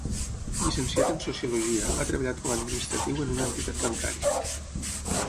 Llicenciat en sociologia, ha treballat com a administratiu en una entitat bancària.